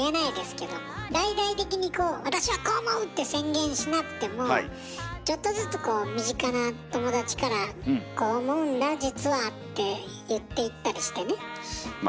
大々的に「私はこう思う！」って宣言しなくてもちょっとずつこう身近な友達から「こう思うんだ実は」って言っていったりしてね。